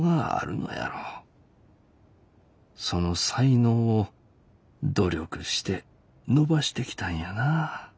その才能を努力して伸ばしてきたんやな。